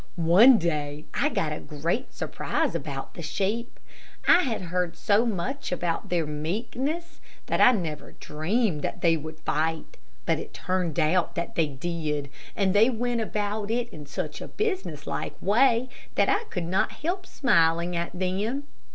One day I got a great surprise about the sheep. I had heard so much about their meekness that I never dreamed that they would fight; but it turned out that they did, and they went about it in such a business like way, that I could not help smiling at them.